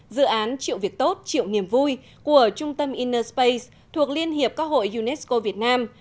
dự án chịu việc tốt chịu niềm vui của trung tâm inner space thuộc liên hiệp các hội unesco việt nam